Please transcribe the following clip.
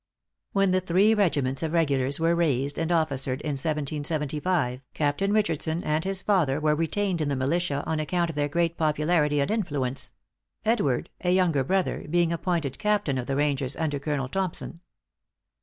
When the three regiments of regulars were raised and officered in 1775, Captain Richardson and his father were retained in the militia on account of their great popularity and influence; Edward, a younger brother, being appointed captain of the Rangers under Colonel Thompson.